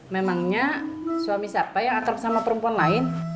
memangnya suami siapa yang akrab sama perempuan lain